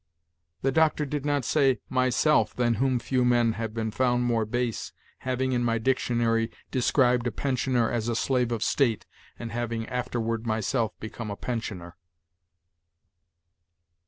The Doctor did not say, 'Myself, than whom few men have been found more base, having, in my dictionary, described a pensioner as a slave of state, and having afterward myself become a pensioner.'